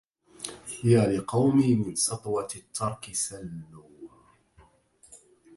يا لقومي من سطوة الترك سلوا